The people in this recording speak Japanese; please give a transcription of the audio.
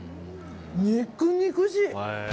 肉々しい。